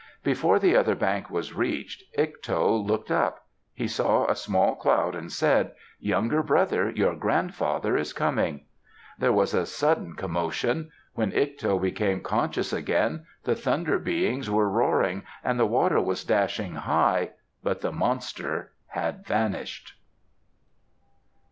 '" Before the other bank was reached, Ikto looked up. He saw a small cloud and said, "Younger brother, your grandfather is coming." There was a sudden commotion. When Ikto became conscious again, the Thunder Beings were roaring, and the water was dashing high, but the monster had vanished.